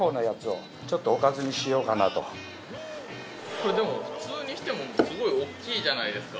これでも普通にしてもすごいおっきいじゃないですか。